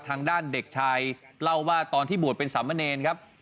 ทางด้านเด็กชายเล่าว่าตอนที่บวชเป็นสามเณรครับ